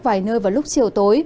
vài nơi vào lúc chiều tối